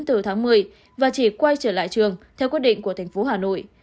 từ tháng một mươi và chỉ quay trở lại trường theo quyết định của tp hà nội